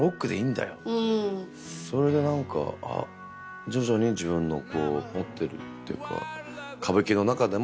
それで何か徐々に自分の持ってるっていうか。